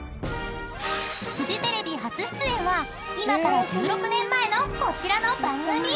［フジテレビ初出演は今から１６年前のこちらの番組］